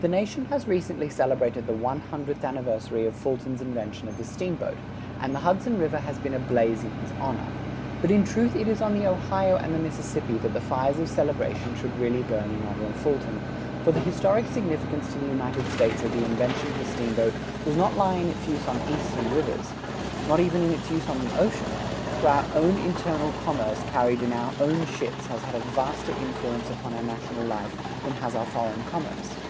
The nation has recently celebrated the one hundredth anniversary of Fulton's invention of the steamboat, and the Hudson river has been ablaze in his honor; but in truth it is on the Ohio and the Mississippi that the fires of celebration should really burn in honor of Fulton, for the historic significance to the United States of the invention of the steamboat does not lie in its use on Eastern rivers; not even in its use on the ocean; for our own internal commerce carried in our own ships has had a vaster influence upon our national life than has our foreign commerce.